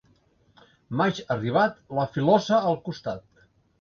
Maig arribat, la filosa al costat.